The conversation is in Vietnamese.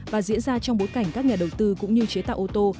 và diễn ra trong bối cảnh các nhà đầu tư cũng như chế tạo ô tô